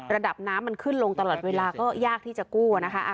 ระดับน้ำมันขึ้นลงตลอดเวลาก็ยากที่จะกู้นะคะ